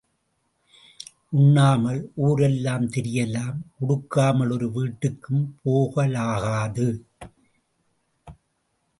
உண்ணாமல் ஊர் எல்லாம் திரியலாம் உடுக்காமல் ஒரு வீட்டுக்கும் போகலாகாது.